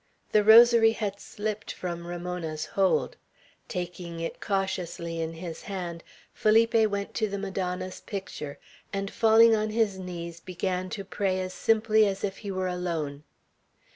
The rosary had slipped from Ramona's hold; taking it cautiously in his hand, Felipe went to the Madonna's picture, and falling on his knees, began to pray as simply as if he were alone.